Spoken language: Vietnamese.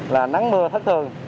là nắng mưa thất thường